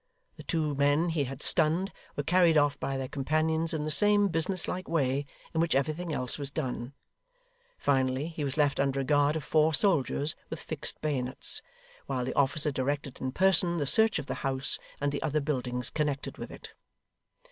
The two men he had stunned, were carried off by their companions in the same business like way in which everything else was done. Finally, he was left under a guard of four soldiers with fixed bayonets, while the officer directed in person the search of the house and the other buildings connected with it.